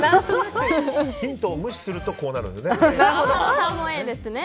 ヒントを無視するとこうなるんだよね。